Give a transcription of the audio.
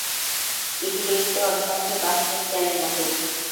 এটি দেখতে অনেকাংশে বাসমতী চালের মতো।